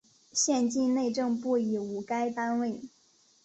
现今内政部已无该单位。